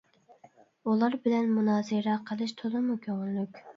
ئۇلار بىلەن مۇنازىرە قىلىش تولىمۇ كۆڭۈللۈك.